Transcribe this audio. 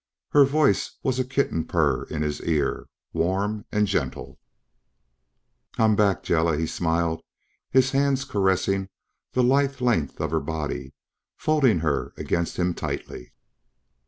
Her voice was a kitten purr in his ear, warm and gentle. "I'm back, Jela," he smiled, his hands caressing the lithe length of her body, folding her against him tightly.